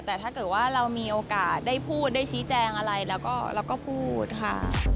แต่ถ้าเกิดว่าเรามีโอกาสได้พูดได้ชี้แจงอะไรเราก็พูดค่ะ